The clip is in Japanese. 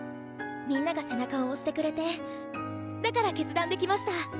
みんなが背中を押してくれてだから決断できました。